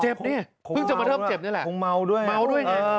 เจ็บเนี่ยเพิ่งจะมาเทิบเจ็บนี่แหละคงเมาด้วย